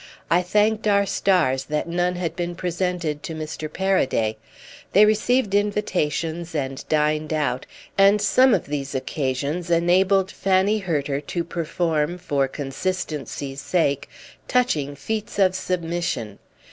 I thanked our stars that none had been presented to Mr. Paraday. They received invitations and dined out, and some of these occasions enabled Fanny Hurter to perform, for consistency's sake, touching feats of submission.